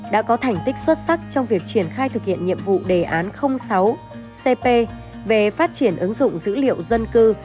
đã có thành tích xuất sắc trong việc triển khai thực hiện nhiệm vụ đề án sáu cp về phát triển ứng dụng dữ liệu dân cư